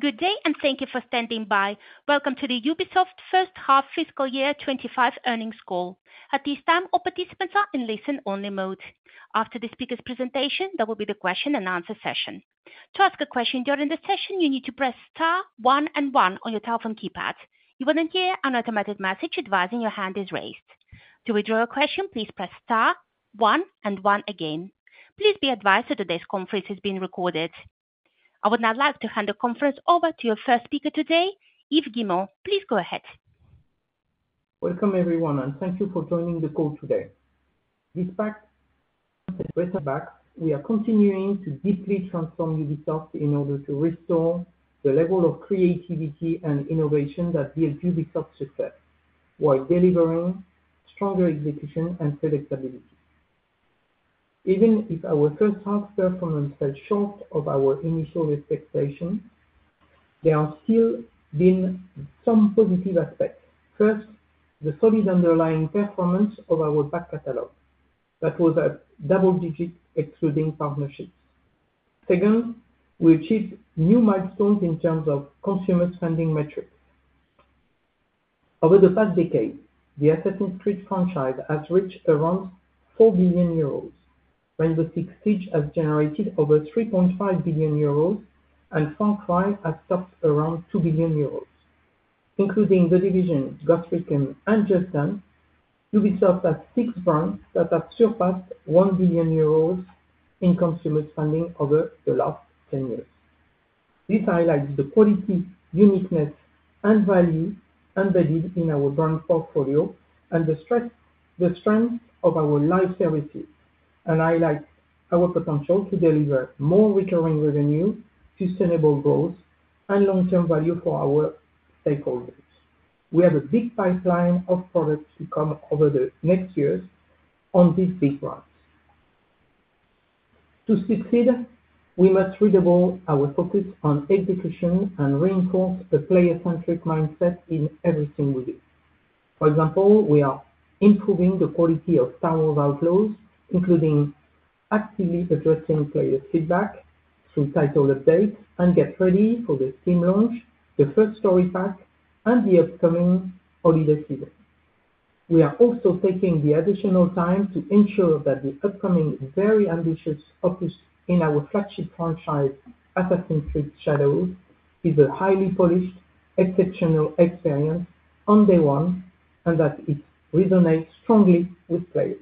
Good day, and thank you for standing by. Welcome to the Ubisoft First Half Fiscal Year 2025 Earnings Call. At this time, all participants are in listen-only mode. After the speaker's presentation, there will be the question-and-answer session. To ask a question during the session, you need to press Star one, and one on your telephone keypad. You will then hear an automated message advising your hand is raised. To withdraw your question, please press Star one, and one again. Please be advised that today's conference is being recorded. I would now like to hand the conference over to your first speaker today, Yves Guillemot. Please go ahead. Welcome, everyone, and thank you for joining the call today. This past half, against a difficult backdrop, we are continuing to deeply transform Ubisoft in order to restore the level of creativity and innovation that built Ubisoft's success while delivering stronger execution and predictability. Even if our first-half performance fell short of our initial expectations, there have still been some positive aspects. First, the solid underlying performance of our back catalog that was up double-digit excluding partnerships. Second, we achieved new milestones in terms of consumer spending metrics. Over the past decade, the Assassin's Creed franchise has reached around 4 billion euros. Rainbow Six Siege has generated over 3.5 billion euros, and Far Cry has topped around 2 billion euros. Including The Division, Ghost Recon and Just Dance, Ubisoft has six brands that have surpassed 1 billion euros in consumer spending over the last 10 years. This highlights the quality, uniqueness, and value embedded in our brand portfolio and the strength of our live services, and highlights our potential to deliver more recurring revenue, sustainable growth, and long-term value for our stakeholders. We have a big pipeline of products to come over the next years on these big brands. To succeed, we must redouble our focus on execution and reinforce a player-centric mindset in everything we do. For example, we are improving the quality of Star Wars Outlaws, including actively addressing players' feedback through title updates and getting ready for the Steam launch, the first story pack, and the upcoming holiday season. We are also taking the additional time to ensure that the upcoming very ambitious opus in our flagship franchise, Assassin's Creed Shadows, is a highly polished, exceptional experience on day one and that it resonates strongly with players.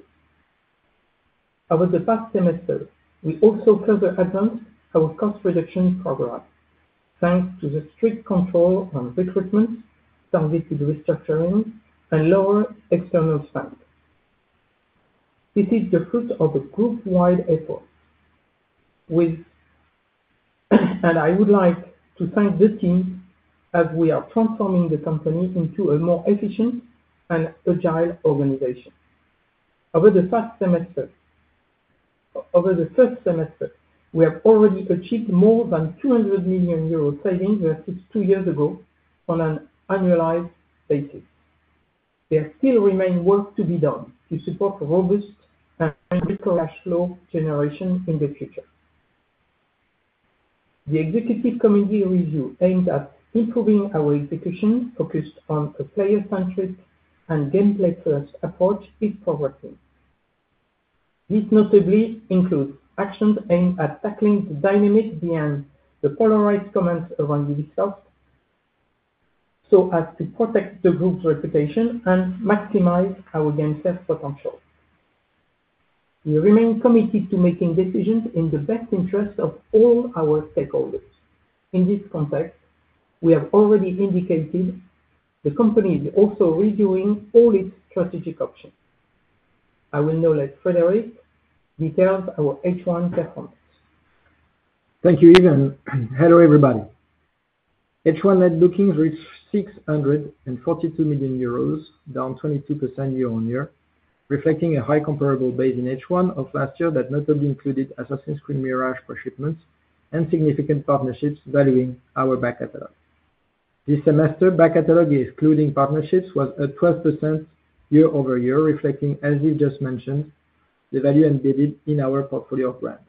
Over the past semester, we also further advanced our cost reduction program thanks to the strict control on recruitment, targeted restructuring, and lower external spend. This is the fruit of a group-wide effort, and I would like to thank the team as we are transforming the company into a more efficient and agile organization. Over the first semester, we have already achieved more than 200 million euro savings versus two years ago on an annualized basis. There still remains work to be done to support robust and cash flow generation in the future. The executive committee review aimed at improving our execution, focused on a player-centric and gameplay-first approach, is progressing. This notably includes actions aimed at tackling the dynamic behind the polarized comments around Ubisoft so as to protect the group's reputation and maximize our game's potential. We remain committed to making decisions in the best interest of all our stakeholders. In this context, we have already indicated the company is also reviewing all its strategic options. I will now let Frédérick detail our H1 performance. Thank you, Yves. And hello, everybody. H1 net bookings reached €642 million, down 22% year-on-year, reflecting a high comparable base in H1 of last year that notably included Assassin's Creed Mirage first shipments and significant partnerships valuing our back catalog. This semester, back catalog excluding partnerships was up 12% year-over-year, reflecting, as Yves just mentioned, the value embedded in our portfolio of brands.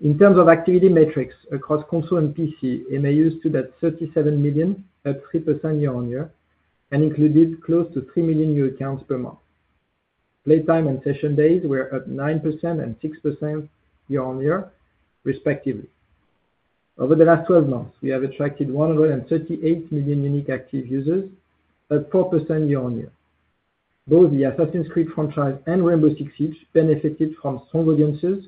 In terms of activity metrics across console and PC, MAU stood at 37 million, up 3% year-on-year, and included close to 3 million new accounts per month. Playtime and session days were up 9% and 6% year-on-year, respectively. Over the last 12 months, we have attracted 138 million unique active users, up 4% year-on-year. Both the Assassin's Creed franchise and Rainbow Six Siege benefited from strong audiences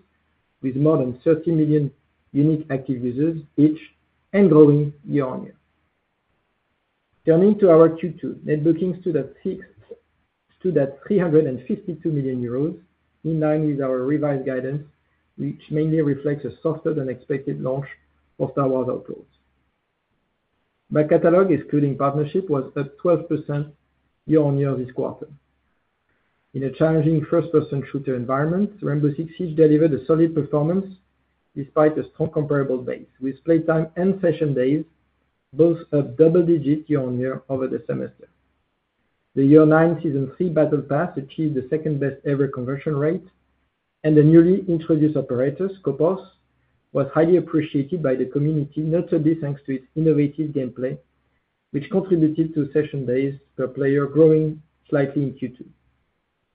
with more than 30 million unique active users each and growing year-on-year. Turning to our Q2, net bookings stood at 352 million euros, in line with our revised guidance, which mainly reflects a softer-than-expected launch for Star Wars Outlaws. Back catalog, excluding partnership, was up 12% year-on-year this quarter. In a challenging first-person shooter environment, Rainbow Six Siege delivered a solid performance despite a strong comparable base, with playtime and session days both up double-digit year-on-year over the semester. The Year 9 Season 3 Battle Pass achieved the second-best-ever conversion rate, and the newly introduced operator, Skopos, was highly appreciated by the community, notably thanks to its innovative gameplay, which contributed to session days per player growing slightly in Q2.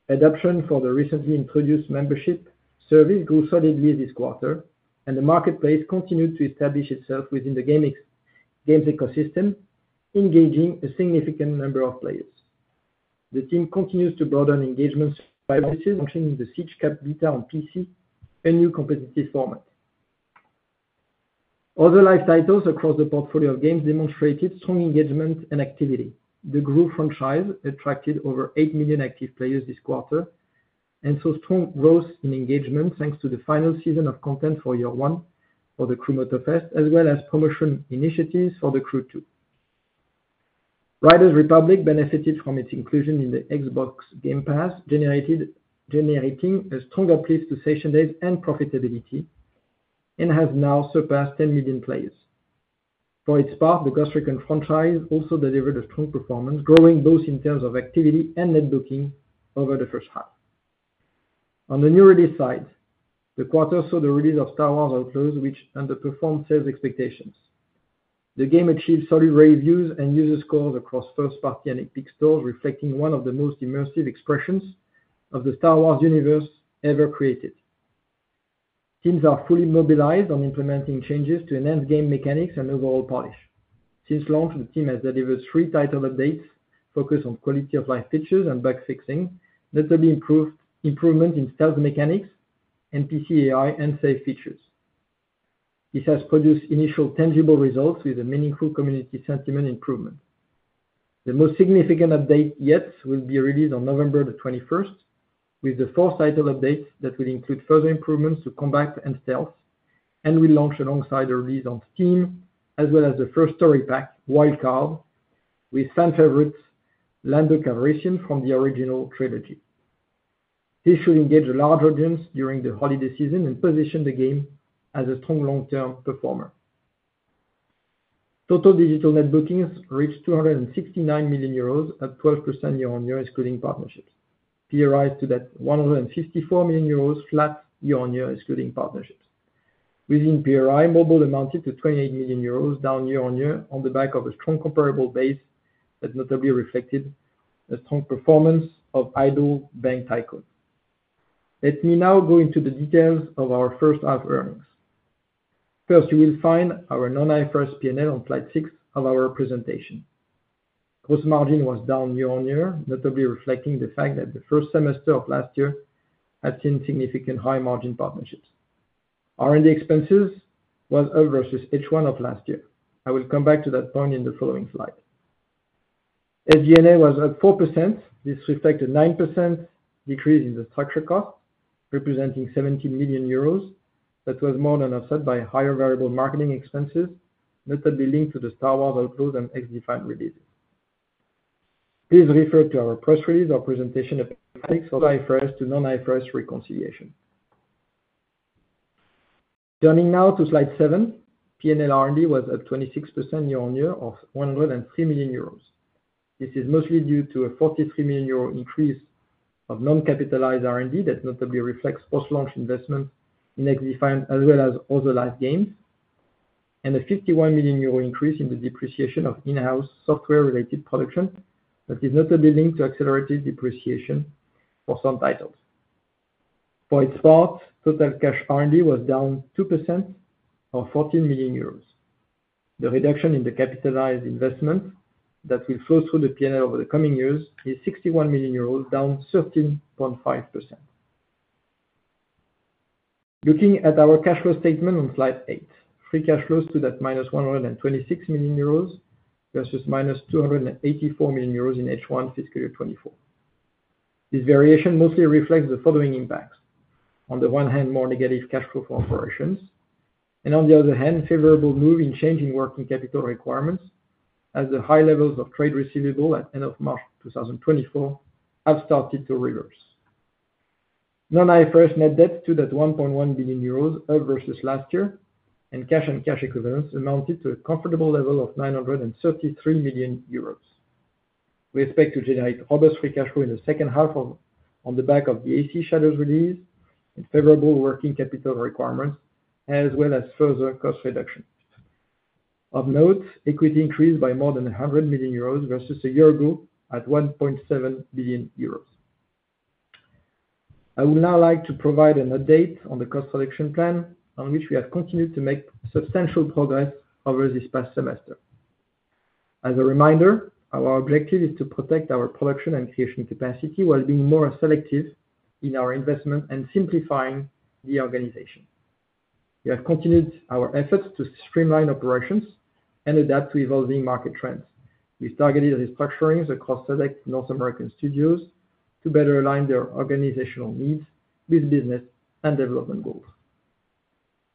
Adoption for the recently introduced membership service grew solidly this quarter, and the marketplace continued to establish itself within the game's ecosystem, engaging a significant number of players. The team continues to broaden engagement services, launching the Siege Cup beta on PC, a new competitive format. Other live titles across the portfolio of games demonstrated strong engagement and activity. The Crew franchise attracted over 8 million active players this quarter and saw strong growth in engagement thanks to the final season of content for Year 1 for The Crew Motorfest, as well as promotion initiatives for The Crew 2. Riders Republic benefited from its inclusion in the Xbox Game Pass, generating a strong uplift to session days and profitability, and has now surpassed 10 million players. For its part, the Ghost Recon franchise also delivered a strong performance, growing both in terms of activity and net bookings over the first half. On the new release side, the quarter saw the release of Star Wars Outlaws, which underperformed sales expectations. The game achieved solid reviews and user scores across first-party and Epic Games Store, reflecting one of the most immersive expressions of the Star Wars universe ever created. Teams are fully mobilized on implementing changes to enhance game mechanics and overall polish. Since launch, the team has delivered three title updates focused on quality-of-life features and bug fixing, notably improvement in stealth mechanics, NPC AI, and save features. This has produced initial tangible results with a meaningful community sentiment improvement. The most significant update yet will be released on November the 21st, with the fourth title update that will include further improvements to combat and stealth, and will launch alongside a release on Steam as well as the first story pack, Wild Card, with fan favorite Lando Calrissian from the original trilogy. This should engage a large audience during the holiday season and position the game as a strong long-term performer. Total digital net bookings reached €269 million, up 12% year-on-year, excluding partnerships. PRI stood at €154 million, flat year-on-year, excluding partnerships. Within PRI, mobile amounted to €28 million, down year-on-year on the back of a strong comparable base that notably reflected a strong performance of Idle Bank Tycoon. Let me now go into the details of our first-half earnings. First, you will find our non-IFRS P&L on slide 6 of our presentation. Gross margin was down year-on-year, notably reflecting the fact that the first semester of last year had seen significant high-margin partnerships. R&D expenses were up versus H1 of last year. I will come back to that point in the following slide. SG&A was up 4%. This reflected a 9% decrease in the structure cost, representing €70 million. That was more than offset by higher variable marketing expenses, notably linked to the Star Wars Outlaws and XDefiant releases. Please refer to our press release or presentation of IFRS to non-IFRS reconciliation. Turning now to slide 7, P&L R&D was up 26% year-on-year of 103 million euros. This is mostly due to a 43 million euro increase of non-capitalized R&D that notably reflects post-launch investment in XDefiant as well as other live games, and a 51 million euro increase in the depreciation of in-house software-related production that is notably linked to accelerated depreciation for some titles. For its part, total cash R&D was down 2%, or 14 million euros. The reduction in the capitalized investment that will flow through the P&L over the coming years is 61 million euros, down 13.5%. Looking at our cash flow statement on slide 8, free cash flows stood at 126 million euros versus 284 million euros in H1 fiscal year 2024. This variation mostly reflects the following impacts: on the one hand, more negative cash flow for operations, and on the other hand, a favorable move in changing working capital requirements as the high levels of trade receivable at the end of March 2024 have started to reverse. Non-IFRS net debt stood at €1.1 billion, up versus last year, and cash and cash equivalents amounted to a comfortable level of €933 million. We expect to generate robust free cash flow in the second half on the back of the AC Shadows release and favorable working capital requirements, as well as further cost reductions. Of note, equity increased by more than €100 million versus a year ago at €1.7 billion. I would now like to provide an update on the cost reduction plan, on which we have continued to make substantial progress over this past semester. As a reminder, our objective is to protect our production and creation capacity while being more selective in our investment and simplifying the organization. We have continued our efforts to streamline operations and adapt to evolving market trends, with targeted restructurings across select North American studios to better align their organizational needs with business and development goals.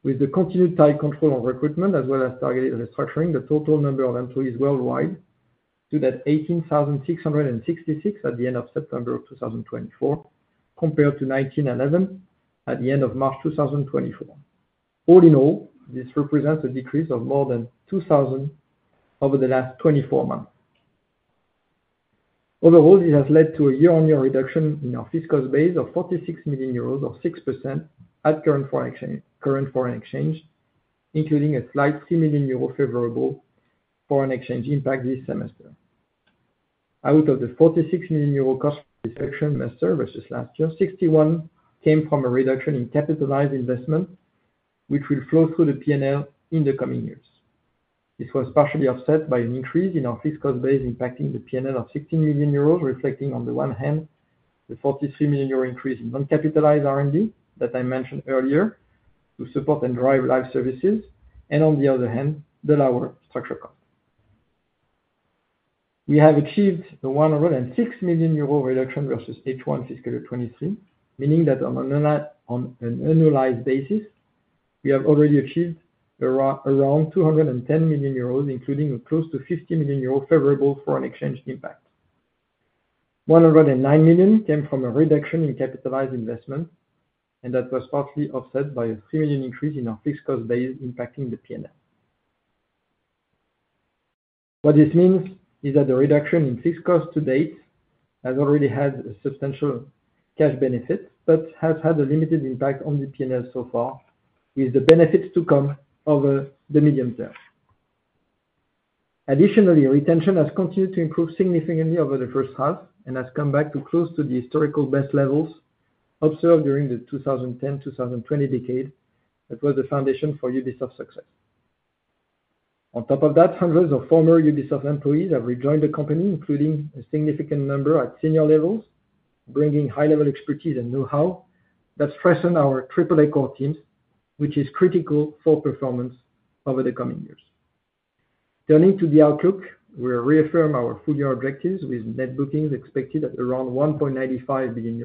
With the continued tight control on recruitment, as well as targeted restructuring, the total number of employees worldwide stood at 18,666 at the end of September of 2024, compared to 19,111 at the end of March 2024. All in all, this represents a decrease of more than 2,000 over the last 24 months. Overall, this has led to a year-on-year reduction in our cost base of €46 million, or 6%, at current foreign exchange, including a slight €3 million favorable foreign exchange impact this semester. Out of the 46 million euro cost reduction semester versus last year, 61 million came from a reduction in capitalized investment, which will flow through the P&L in the coming years. This was partially offset by an increase in our fiscal base impacting the P&L of 16 million euros, reflecting on the one hand the 43 million euro increase in non-capitalized R&D that I mentioned earlier to support and drive live services, and on the other hand, the lower structure cost. We have achieved a 106 million euro reduction versus H1 fiscal year 2023, meaning that on an annualized basis, we have already achieved around 210 million euros, including a close to 50 million euro favorable foreign exchange impact. 109 million came from a reduction in capitalized investment, and that was partly offset by a 3 million increase in our fiscal base impacting the P&L. What this means is that the reduction in fiscal cost to date has already had substantial cash benefits but has had a limited impact on the P&L so far, with the benefits to come over the medium term. Additionally, retention has continued to improve significantly over the first half and has come back close to the historical best levels observed during the 2010-2020 decade that was the foundation for Ubisoft's success. On top of that, hundreds of former Ubisoft employees have rejoined the company, including a significant number at senior levels, bringing high-level expertise and know-how that strengthen our triple-A core teams, which is critical for performance over the coming years. Turning to the outlook, we reaffirm our full-year objectives with net bookings expected at around €1.95 billion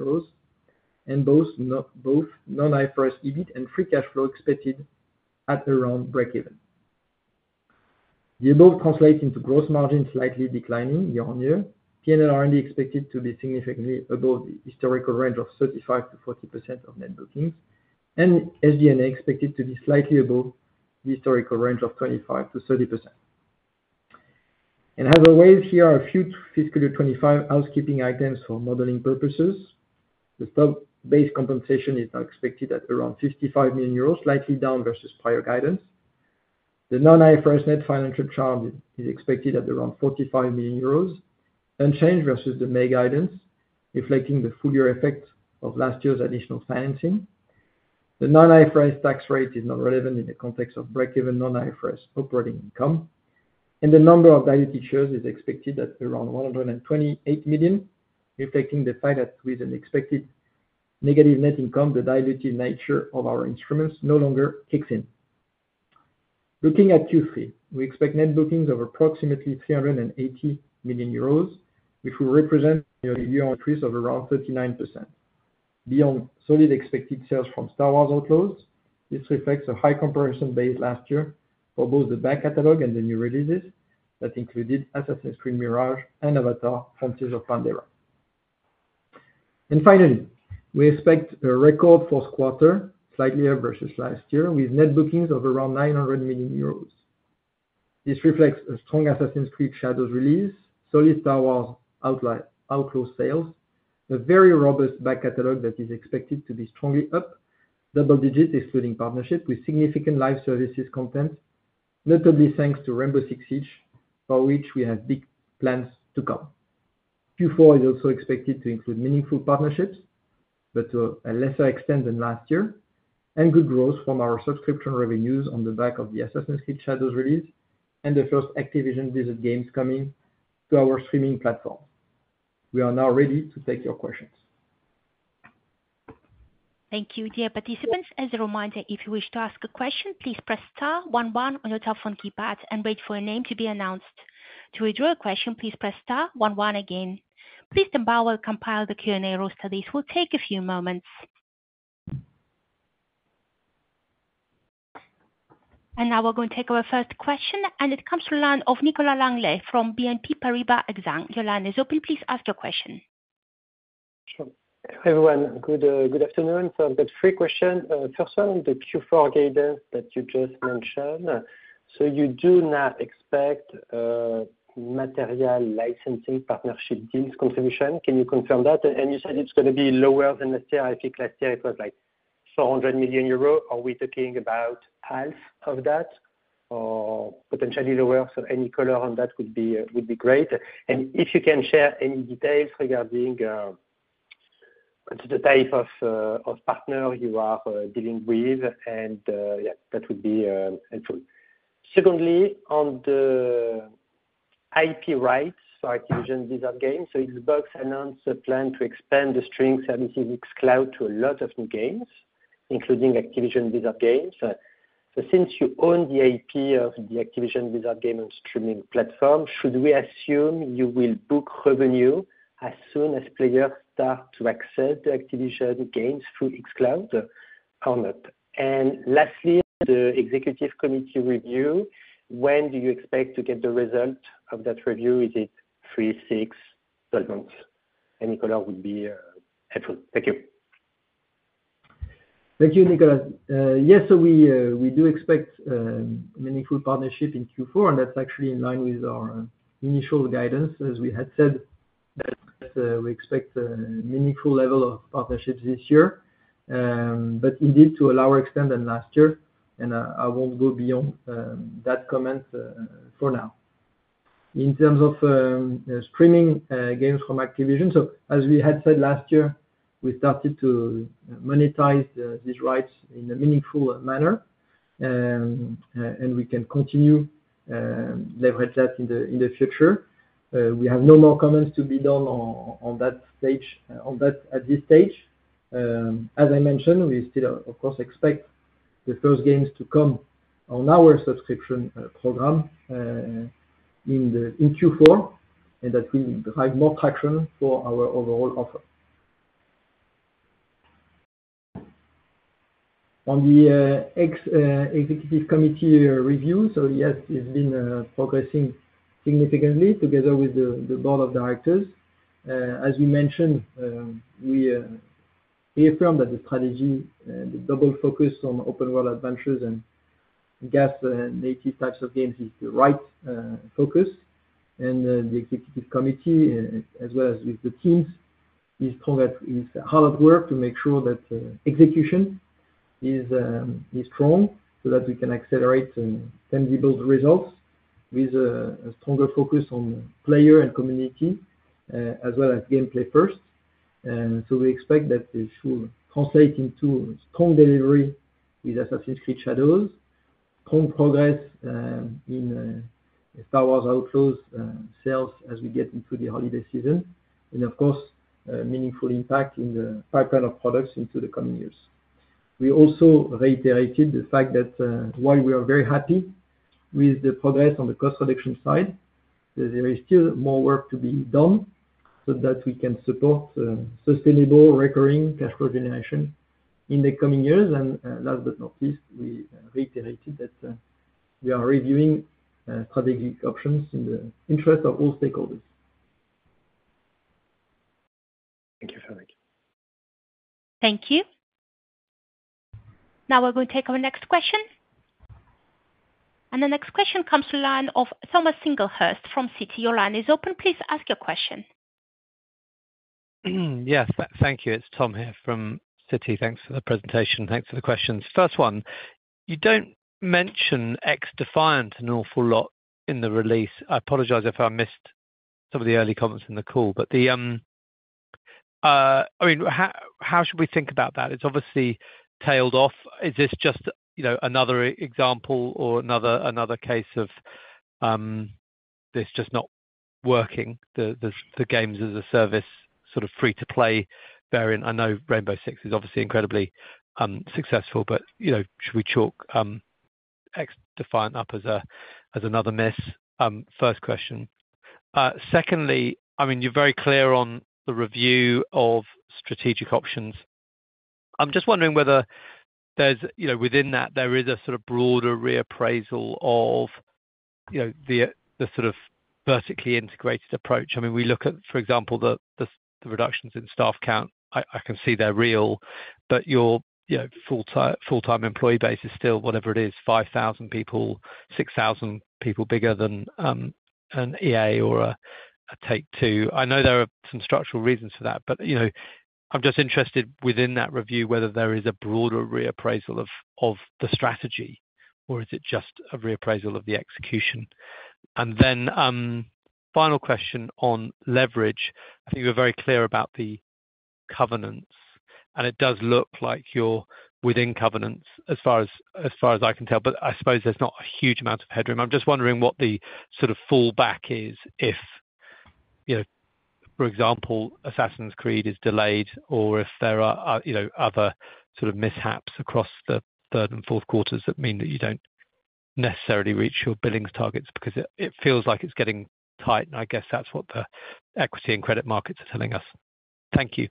and both non-IFRS EBIT and free cash flow expected at around break-even. The above translates into gross margins slightly declining year-on-year, P&L R&D expected to be significantly above the historical range of 35%-40% of net bookings, and SG&A expected to be slightly above the historical range of 25%-30%. And as always, here are a few fiscal year 2025 housekeeping items for modeling purposes. The stock-based compensation is now expected at around €55 million, slightly down versus prior guidance. The non-IFRS net financial charge is expected at around €45 million unchanged versus the May guidance, reflecting the full-year effect of last year's additional financing. The non-IFRS tax rate is not relevant in the context of break-even non-IFRS operating income. And the number of diluted shares is expected at around 128 million, reflecting the fact that with an expected negative net income, the diluted nature of our instruments no longer kicks in. Looking at Q3, we expect net bookings of approximately €380 million, which will represent a year-on-year increase of around 39%. Beyond solid expected sales from Star Wars Outlaws, this reflects a high comparison base last year for both the back catalog and the new releases that included Assassin's Creed Mirage and Avatar: Frontiers of Pandora. And finally, we expect a record fourth quarter, slightly up versus last year, with net bookings of around €900 million. This reflects a strong Assassin's Creed Shadows release, solid Star Wars Outlaws sales, a very robust back catalog that is expected to be strongly up double-digit excluding partnership, with significant live services content, notably thanks to Rainbow Six Siege, for which we have big plans to come. Q4 is also expected to include meaningful partnerships, but to a lesser extent than last year, and good growth from our subscription revenues on the back of the Assassin's Creed Shadows release and the first Activision Blizzard games coming to our streaming platforms. We are now ready to take your questions. Thank you. Dear participants, as a reminder, if you wish to ask a question, please press *11 on your telephone keypad and wait for your name to be announced. To withdraw a question, please press *11 again. Please stand by while we compile the Q&A roster. This will take a few moments. And now we're going to take our first question, and it comes from the line of Nicolas Langlet from BNP Paribas Exane. Your line is open. Please ask your question. Sure. Hi, everyone. Good afternoon. So I've got three questions. First one, the Q4 guidance that you just mentioned, so you do not expect material licensing partnership deals contribution. Can you confirm that, and you said it's going to be lower than last year. I think last year it was like €400 million. Are we talking about half of that or potentially lower, so any color on that would be great, and if you can share any details regarding the type of partner you are dealing with, and that would be helpful. Secondly, on the IP rights for Activision Blizzard games, so Xbox announced a plan to expand the streaming services xCloud to a lot of new games, including Activision Blizzard games, so since you own the IP of the Activision Blizzard game on streaming platform, should we assume you will book revenue as soon as players start to access the Activision games through xCloud or not? And lastly, the executive committee review. When do you expect to get the result of that review? Is it three, six, twelve months? And Nicolas would be helpful. Thank you. Thank you, Nicolas. Yes, so we do expect meaningful partnership in Q4, and that's actually in line with our initial guidance. As we had said, we expect a meaningful level of partnerships this year, but indeed to a lower extent than last year, and I won't go beyond that comment for now. In terms of streaming games from Activision, so as we had said last year, we started to monetize these rights in a meaningful manner, and we can continue to leverage that in the future. We have no more comments to be done on that stage at this stage. As I mentioned, we still, of course, expect the first games to come on our subscription program in Q4, and that will drive more traction for our overall offer. On the executive committee review, so yes, it's been progressing significantly together with the board of directors. As we mentioned, we affirm that the strategy, the double focus on open-world adventures and GaaS-native types of games, is the right focus, and the executive committee, as well as with the teams, is hard at work to make sure that execution is strong so that we can accelerate tangible results with a stronger focus on player and community, as well as gameplay first. So we expect that this will translate into strong delivery with Assassin's Creed Shadows, strong progress in Star Wars Outlaws sales as we get into the holiday season, and of course, meaningful impact in the pipeline of products into the coming years. We also reiterated the fact that while we are very happy with the progress on the cost reduction side, there is still more work to be done so that we can support sustainable recurring cash flow generation in the coming years. And last but not least, we reiterated that we are reviewing strategic options in the interest of all stakeholders. Thank you, Frédérick. Thank you. Now we're going to take our next question. And the next question comes from the line of Thomas Singlehurst from Citi. Your line is open. Please ask your question. Yes, thank you. It's Tom here from Citi. Thanks for the presentation. Thanks for the questions. First one, you don't mention XDefiant an awful lot in the release. I apologize if I missed some of the early comments in the call. But I mean, how should we think about that? It's obviously tailed off. Is this just another example or another case of this just not working, the games-as-a-service sort of free-to-play variant? I know Rainbow Six is obviously incredibly successful, but should we chalk XDefiant up as another miss? First question. Secondly, I mean, you're very clear on the review of strategic options. I'm just wondering whether within that, there is a sort of broader reappraisal of the sort of vertically integrated approach. I mean, we look at, for example, the reductions in staff count. I can see they're real, but your full-time employee base is still, whatever it is, 5,000 people, 6,000 people bigger than an EA or a Take-Two. I know there are some structural reasons for that, but I'm just interested within that review whether there is a broader reappraisal of the strategy, or is it just a reappraisal of the execution? And then final question on leverage. I think you were very clear about the covenants, and it does look like you're within covenants as far as I can tell, but I suppose there's not a huge amount of headroom. I'm just wondering what the sort of fallback is if, for example, Assassin's Creed is delayed or if there are other sort of mishaps across the third and fourth quarters that mean that you don't necessarily reach your bookings targets because it feels like it's getting tight, and I guess that's what the equity and credit markets are telling us. Thank you.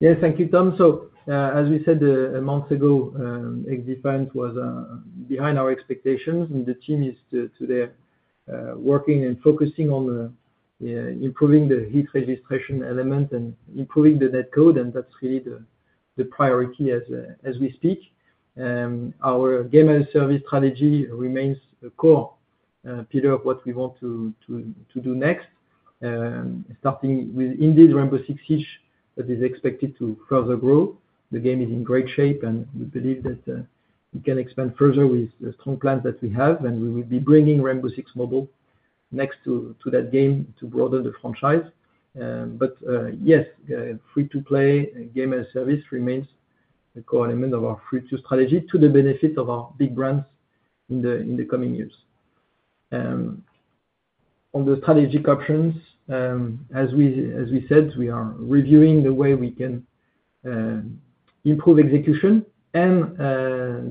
Yes, thank you, Tom. So as we said months ago, XDefiant was behind our expectations, and the team is today working and focusing on improving the hit registration element and improving the netcode, and that's really the priority as we speak. Our game-as-a-service strategy remains a core pillar of what we want to do next, starting with indeed Rainbow Six Siege, that is expected to further grow. The game is in great shape, and we believe that we can expand further with the strong plans that we have, and we will be bringing Rainbow Six Mobile next to that game to broaden the franchise. But yes, free-to-play game-as-a-service remains a core element of our free-to-play strategy to the benefit of our big brands in the coming years. On the strategic options, as we said, we are reviewing the way we can improve execution and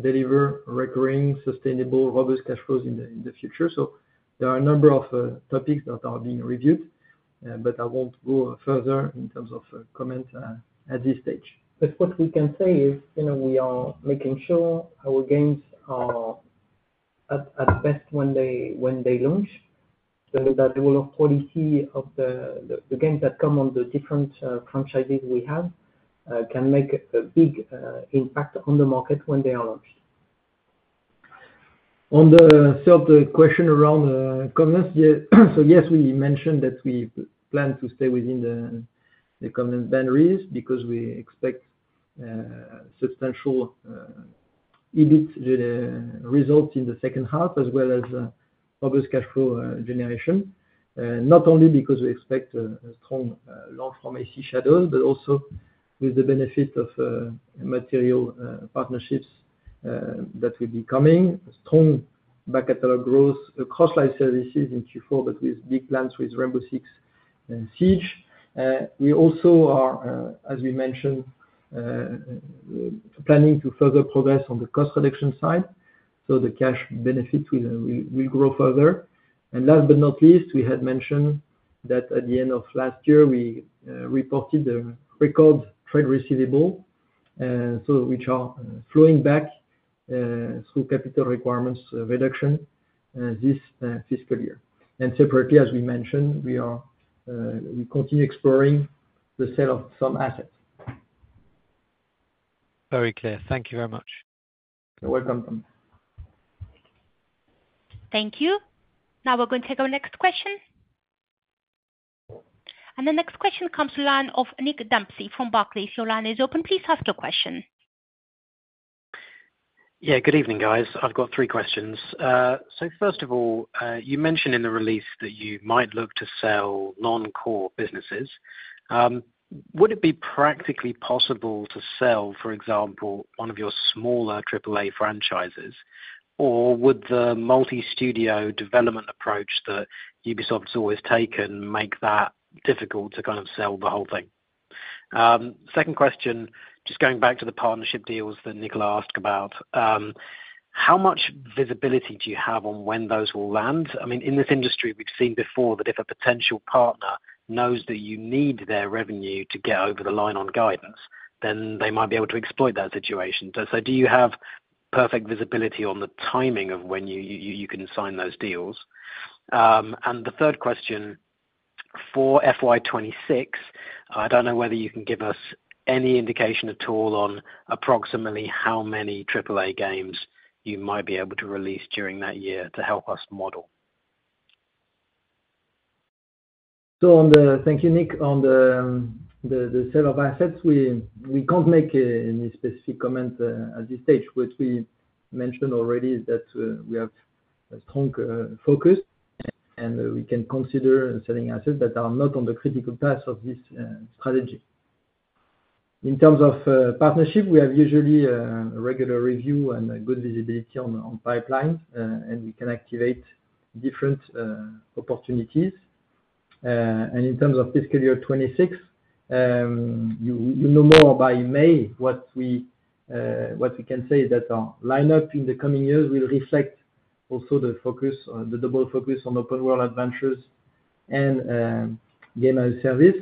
deliver recurring, sustainable, robust cash flows in the future. So there are a number of topics that are being reviewed, but I won't go further in terms of comments at this stage. That's what we can say is we are making sure our games are at best when they launch, so that the role of quality of the games that come on the different franchises we have can make a big impact on the market when they are launched. On the third question around capex, so yes, we mentioned that we plan to stay within the capex boundaries because we expect substantial EBIT results in the second half, as well as robust cash flow generation, not only because we expect strong Assassin's Creed Shadows, but also with the benefit of material partnerships that will be coming, strong back catalog growth across live services in Q4, but with big plans with Rainbow Six Siege. We also are, as we mentioned, planning to further progress on the cost reduction side, so the cash benefit will grow further. Last but not least, we had mentioned that at the end of last year, we reported the record trade receivable, which are flowing back through capital requirements reduction this fiscal year. And separately, as we mentioned, we continue exploring the sale of some assets. Very clear. Thank you very much. You're welcome, Tom. Thank you. Now we're going to take our next question. And the next question comes from the line of Nick Dempsey from Barclays. Your line is open. Please ask your question. Yeah, good evening, guys. I've got three questions. So first of all, you mentioned in the release that you might look to sell non-core businesses. Would it be practically possible to sell, for example, one of your smaller AAA franchises, or would the multi-studio development approach that Ubisoft has always taken make that difficult to kind of sell the whole thing? Second question, just going back to the partnership deals that Nicolas asked about, how much visibility do you have on when those will land? I mean, in this industry, we've seen before that if a potential partner knows that you need their revenue to get over the line on guidance, then they might be able to exploit that situation. So do you have perfect visibility on the timing of when you can sign those deals? And the third question, for FY26, I don't know whether you can give us any indication at all on approximately how many AAA games you might be able to release during that year to help us model? So thank you, Nick. On the sale of assets, we can't make any specific comment at this stage. What we mentioned already is that we have a strong focus, and we can consider selling assets that are not on the critical path of this strategy. In terms of partnership, we have usually a regular review and good visibility on pipelines, and we can activate different opportunities. And in terms of fiscal year 2026, you know more by May what we can say that our lineup in the coming years will reflect also the double focus on open-world adventures and games-as-a-service.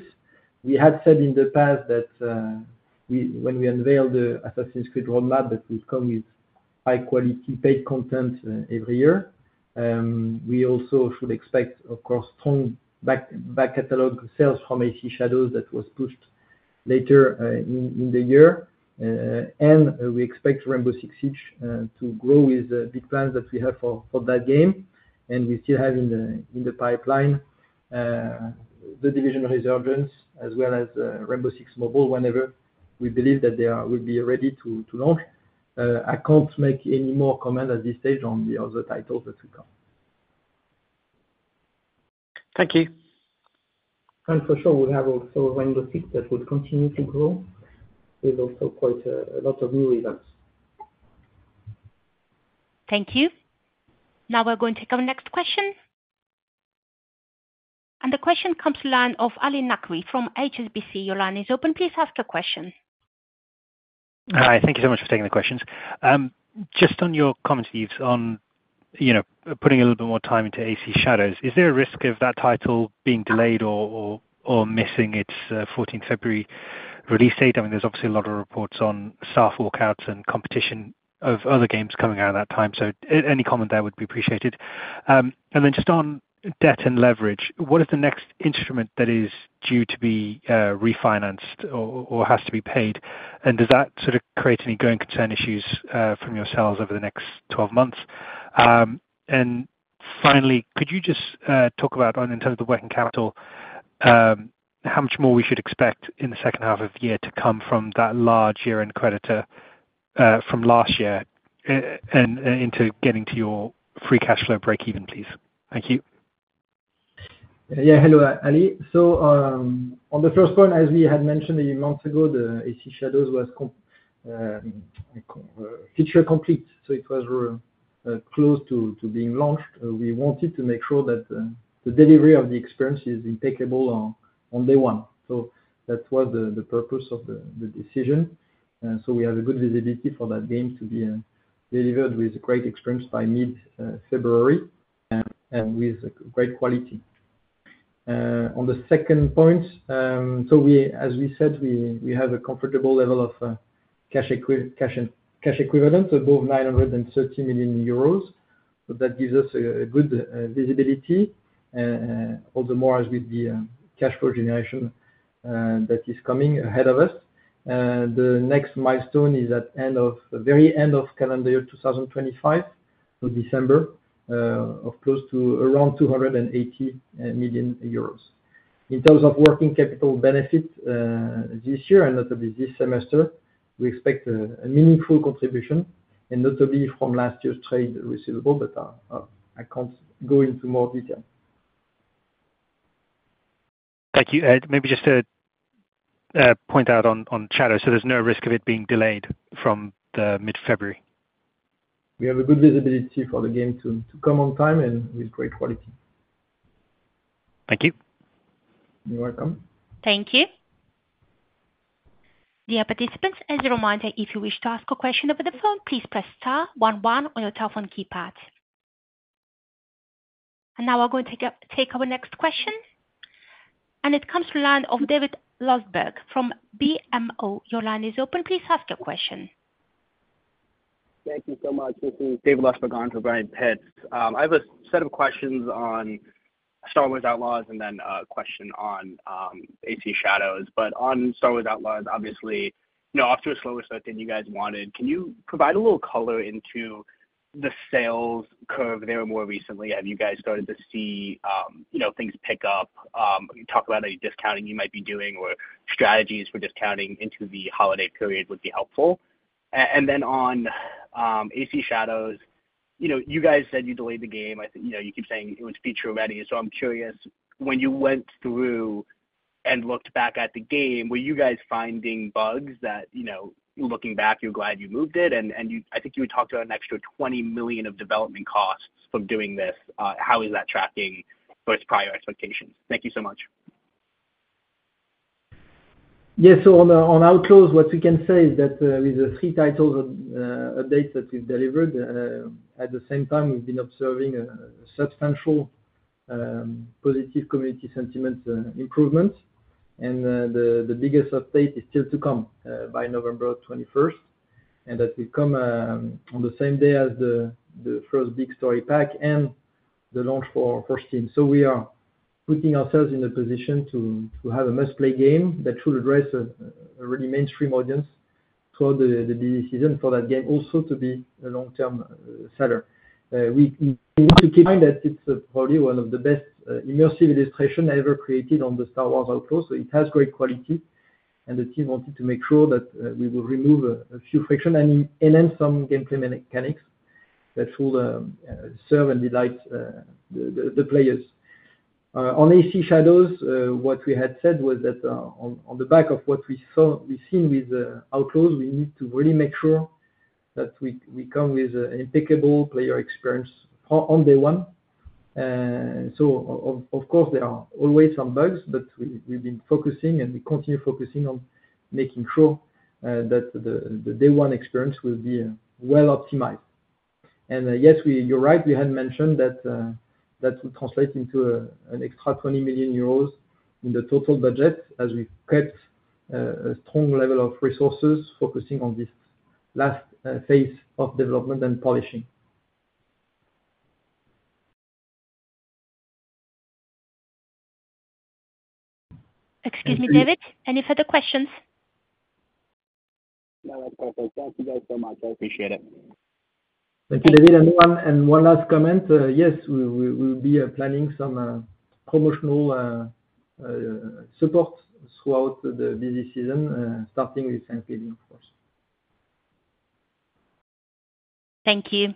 We had said in the past that when we unveil the Assassin's Creed roadmap, that we'll come with high-quality paid content every year. We also should expect, of course, strong back catalog sales from AC Shadows that was pushed later in the year. And we expect Rainbow Six Siege to grow with the big plans that we have for that game, and we still have in the pipeline The Division Resurgence, as well as Rainbow Six Mobile, whenever we believe that they will be ready to launch. I can't make any more comment at this stage on the other titles that will come. Thank you. And for sure, we have also Rainbow Six that will continue to grow with also quite a lot of new events. Thank you. Now we're going to take our next question. And the question comes from the line of Ali Naqvi from HSBC. Your line is open. Please ask your question. Hi. Thank you so much for taking the questions. Just on your comments, Yves, on putting a little bit more time into AC Shadows, is there a risk of that title being delayed or missing its 14th February release date? I mean, there's obviously a lot of reports on staff walkouts and competition of other games coming out at that time, so any comment there would be appreciated. And then just on debt and leverage, what is the next instrument that is due to be refinanced or has to be paid, and does that sort of create any going concern issues from your sales over the next 12 months? And finally, could you just talk about, in terms of the working capital, how much more we should expect in the second half of the year to come from that large year-end creditor from last year and into getting to your free cash flow break-even, please? Thank you. Yeah, Hello, Ali. So on the first point, as we had mentioned a few months ago, the AC Shadows was feature complete, so it was close to being launched. We wanted to make sure that the delivery of the experience is impeccable on day one. So that was the purpose of the decision. So we have a good visibility for that game to be delivered with a great experience by mid-February and with great quality. On the second point, so as we said, we have a comfortable level of cash equivalent above 930 million euros, so that gives us a good visibility, all the more as with the cash flow generation that is coming ahead of us. The next milestone is at the very end of calendar year 2025, so December, of close to around 280 million euros. In terms of working capital benefit this year and notably this semester, we expect a meaningful contribution, and notably from last year's trade receivable, but I can't go into more detail. Thank you. And maybe just to point out on Shadows, so there's no risk of it being delayed from mid-February? We have a good visibility for the game to come on time and with great quality. Thank you. You're welcome. Thank you. Dear participants, as a reminder, if you wish to ask a question over the phone, please press star 11 on your telephone keypad. And now we're going to take our next question. And it comes from the line of David Lustberg from BMO. Your line is open. Please ask your question. Thank you so much. This is David Lustberg on the line. I have a set of questions on Star Wars Outlaws and then a question on AC Shadows. But on Star Wars Outlaws, obviously, after a slower start than you guys wanted, can you provide a little color into the sales curve there more recently? Have you guys started to see things pick up? Talk about any discounting you might be doing or strategies for discounting into the holiday period would be helpful. And then on AC Shadows, you guys said you delayed the game. You keep saying it was feature-ready. So I'm curious, when you went through and looked back at the game, were you guys finding bugs that, looking back, you're glad you moved it? And I think you had talked about an extra €20 million of development costs from doing this. How is that tracking with prior expectations? Thank you so much. Yes, on Outlaws, what we can say is that with the three title updates that we've delivered, at the same time, we've been observing substantial positive community sentiment improvements. The biggest update is still to come by November 21st, and that will come on the same day as the first big story pack and the launch for Steam. We are putting ourselves in a position to have a must-play game that should address a really mainstream audience throughout the busy season for that game also to be a long-term seller. We need to keep in mind that it's probably one of the best immersive illustrations ever created on the Star Wars Outlaws, so it has great quality. The team wanted to make sure that we would remove a few friction and enhance some gameplay mechanics that will serve and delight the players. On AC Shadows, what we had said was that on the back of what we've seen with Outlaws, we need to really make sure that we come with an impeccable player experience on day one. So of course, there are always some bugs, but we've been focusing and we continue focusing on making sure that the day-one experience will be well optimized. And yes, you're right. We had mentioned that that will translate into an extra €20 million in the total budget as we've kept a strong level of resources focusing on this last phase of development and polishing. Excuse me, David. Any further questions? No, that's perfect. Thank you guys so much. I appreciate it. Thank you, David. And one last comment. Yes, we'll be planning some promotional supports throughout the busy season, starting with Thanksgiving, of course. Thank you.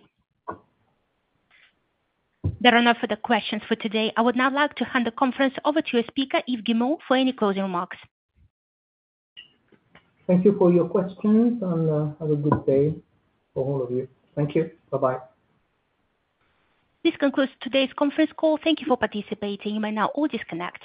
There are no further questions for today. I would now like to hand the conference over to your speaker, Yves Guillemot, for any closing remarks. Thank you for your questions, and have a good day for all of you. Thank you. Bye-bye. This concludes today's conference call. Thank you for participating. You may now all disconnect.